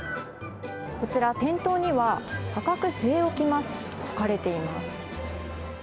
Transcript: こちら、店頭には「価格据え置きます」と書かれています。